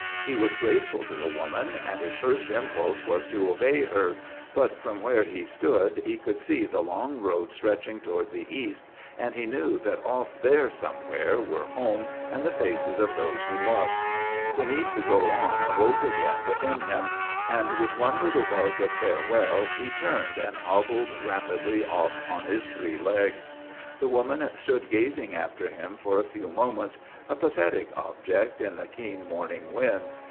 He was grateful to the woman, and his first impulse was to obey her, but from where he stood he could see the long road stretching toward the east, and he knew that off there somewhere were home and the faces of those he loved. The need to go on awoke again within him, and with one little bark of farewell he turned and hobbled rapidly off on his three legs. The woman stood gazing after him for a few moments, a pathetic object in the keen morning wind.